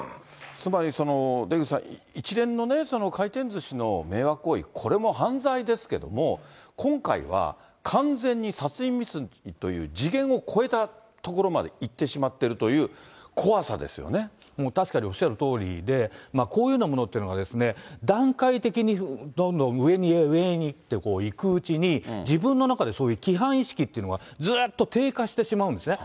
つまり、出口さん、一連の回転ずしの迷惑行為、これも犯罪ですけれども、今回は完全に殺人未遂という次元を超えたところまでいってしまっ確かにおっしゃるとおりで、こういうものというのは段階的にどんどん上に上にっていくうちに、自分の中でそういう規範意識というのがずっと低下してしまうんですね。